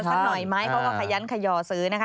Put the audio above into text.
สักหน่อยไหมเขาก็ขยันขยอซื้อนะคะ